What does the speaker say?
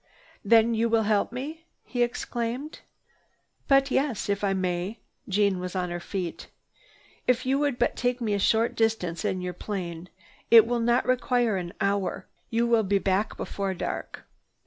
"Then you will help me!" he exclaimed. "But yes, if I may." Jeanne was on her feet. "If you would but take me a short distance in your plane—it will not require an hour—you will be back before dark."